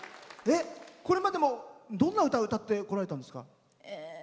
これまでどんな歌を歌ってこられたんですか？